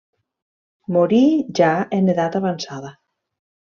Morí ja en edat avançada.